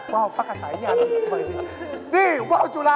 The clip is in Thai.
เพราะว่าวถูก